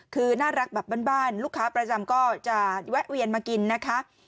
คือน่ารักแบบบ้านลูกค้าประจำก็จะแวะเวียนมากินนะคะ